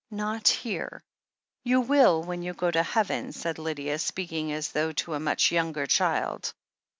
"Not here. You will when you go to heaven," said Lydia, speaking as though to a much younger child.